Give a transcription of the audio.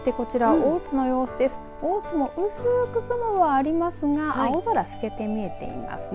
大津も薄く雲はありますが青空が透けて見えていますね。